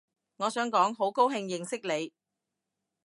我想講好高興認識你